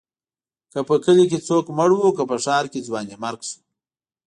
که په کلي کې څوک مړ و، که په ښار کې ځوانيمرګ شو.